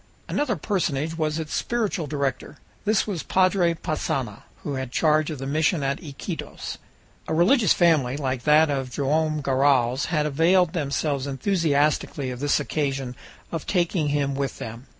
another personage was its spiritual director; this was Padre Passanha, who had charge of the mission at Iquitos. A religious family, like that of Joam Garral's, had availed themselves enthusiastically of this occasion of taking him with them.